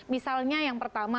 misalnya yang pertama